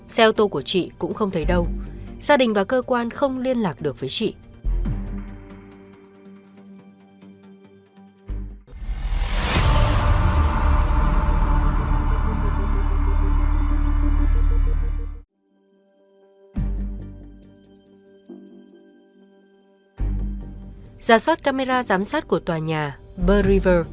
xe ô tô của chị cũng không thấy đâu gia đình và cơ quan không liên lạc được với chị